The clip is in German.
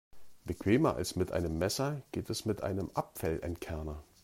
Bequemer als mit einem Messer geht es mit einem Apfelentkerner.